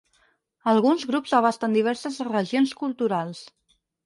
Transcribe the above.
Alguns grups abasten diverses regions culturals.